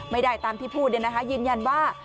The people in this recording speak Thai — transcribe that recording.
ไม่ได้ตามที่พูดเนี่ยนะคะยืนยันว่า